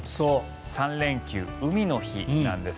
３連休、海の日なんです。